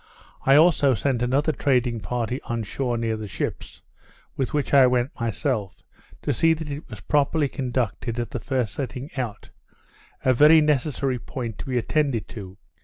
I also sent another trading party on shore near the ships, with which I went myself, to see that it was properly conducted at the first setting out, a very necessary point to be attended to.